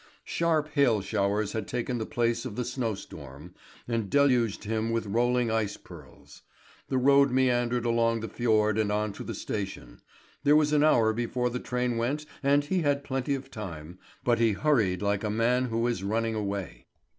Sharp hail showers had taken the place of the snow storm, and deluged him with rolling ice pearls. The road meandered along the fjord and on to the station; there was an hour before the train went and he had plenty of time, but he hurried like a man who is running away.